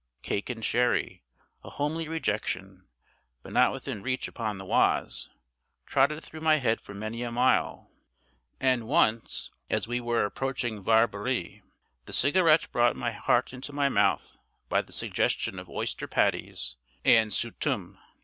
Cake and sherry, a homely rejection, but not within reach upon the Oise, trotted through my head for many a mile; and once, as we were approaching Verberie, the Cigarette brought my heart into my mouth by the suggestion of oyster patties and Sauterne.